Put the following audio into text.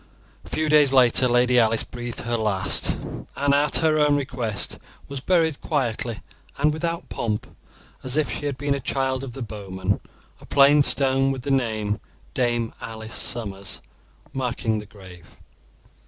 A few days later Lady Alice breathed her last, and at her own request was buried quietly and without pomp, as if she had been a child of the bowman, a plain stone, with the name "Dame Alice Somers", marking the grave.